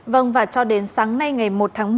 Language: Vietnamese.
vâng và cho đến sáng nay ngày một tháng một mươi